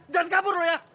jangan kabur lu ya